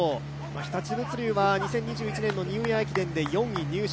日立物流は２０２１年のニューイヤー駅伝、４位入賞